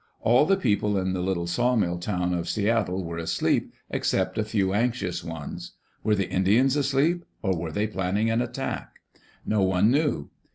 All the people in the little sawmill town of Seattle were asleep, except a few anxious ones. Were the Indians asleep, or were they planning an attack? No one knew.